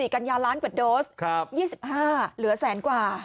กัญญาล้านกว่าโดส๒๕เหลือแสนกว่า